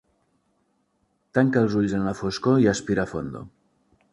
Tanca els ulls en la foscor i aspira fondo.